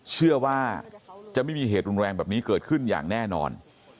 เชื่อว่าจะไม่มีเหตุรุนแรงแบบนี้เกิดขึ้นอย่างแน่นอน